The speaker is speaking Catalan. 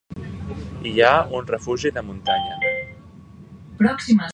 Hi ha un refugi de muntanya.